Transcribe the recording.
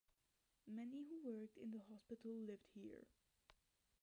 Many who worked in the hospital lived here.